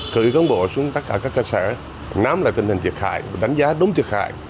cựu cống bộ xuống tất cả các cơ sở nắm lại tình hình thiệt hại đánh giá đúng thiệt hại